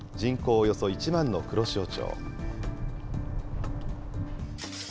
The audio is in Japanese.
およそ１万の黒潮町。